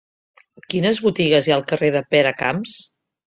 Quines botigues hi ha al carrer de Peracamps?